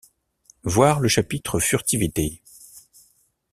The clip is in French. Voir le chapitre furtivité.